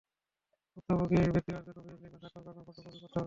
ভুক্তভোগী ব্যক্তিরা আসবেন, অভিযোগ লিখবেন, স্বাক্ষর করবেন, ফটোকপিও করতে হবে না।